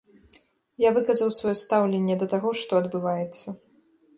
Я выказаў сваё стаўленне да таго, што адбываецца.